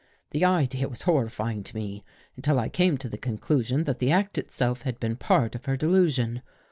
The idea was horrifying to me, until I came to the conclusion that the act itself had been a part of her delusion.